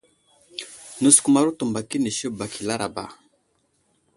Nəsəkəmaro təmbak inisi bak i laraba.